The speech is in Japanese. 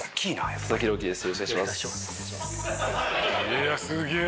「いやすげえ」